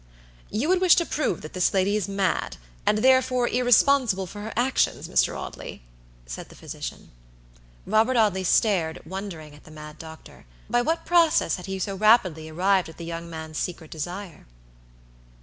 "You would wish to prove that this lady is mad, and therefore irresponsible for her actions, Mr. Audley?" said the physician. Robert Audley stared, wondering at the mad doctor. By what process had he so rapidly arrived at the young man's secret desire?